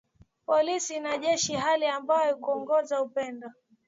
polisi na jeshi hali ambayo haikuongeza upendo